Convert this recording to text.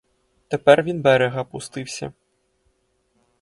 Тепер він берега пустився